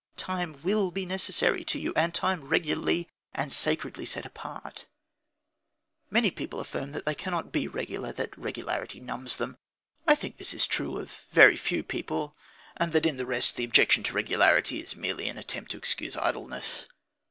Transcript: Time will be necessary to you, and time regularly and sacredly set apart. Many people affirm that they cannot be regular, that regularity numbs them. I think this is true of a very few people, and that in the rest the objection to regularity is merely an attempt to excuse idleness.